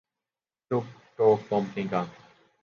ٹک ٹوک کمپنی کا